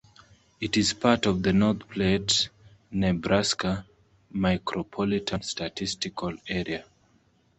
It is part of the North Platte, Nebraska Micropolitan Statistical Area.